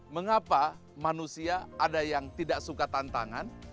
mengapa manusia ada yang tidak suka tantangan